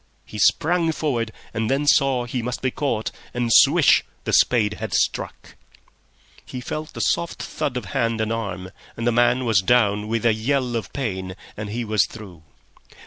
He sprang forward, and then saw he must be caught, and swish! the spade had struck. He felt the soft thud of hand and arm, and the man was down with a yell of pain, and he was through.